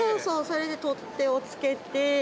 それで取っ手を付けて。